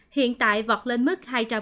hiện tại vọt lên mức hai ca